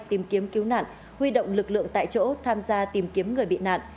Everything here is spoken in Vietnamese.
tìm kiếm cứu nạn huy động lực lượng tại chỗ tham gia tìm kiếm người bị nạn